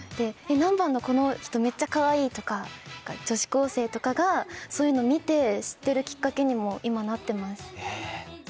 「何番のこの人めっちゃかわいい」とか女子高生とかがそういうの見て知ってるきっかけにも今なってます。